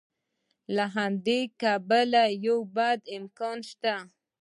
له همدې امله یو بد امکان شته.